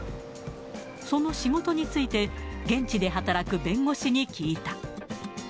その仕事について現地で働く弁護士に聞いた。